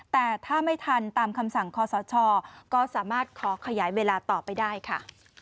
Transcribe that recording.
แต่ถ้าไม่ทันตามคำสั่งคอสชก็สามารถขอขยายเวลาต่อไปได้ค่ะ